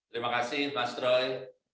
terima kasih mas droy